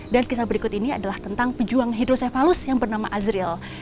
dan kisah berikut ini adalah tentang pejuang hidrosefalus yang bernama azril